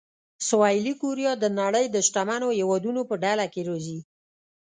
سویلي کوریا د نړۍ د شتمنو هېوادونو په ډله کې راځي.